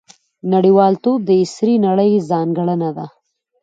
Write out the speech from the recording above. • نړیوالتوب د عصري نړۍ ځانګړنه ده.